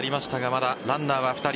まだランナーは２人。